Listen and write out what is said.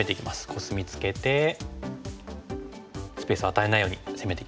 コスミツケてスペースを与えないように攻めていきますね。